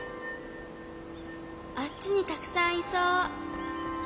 あっちにたくさんいそう。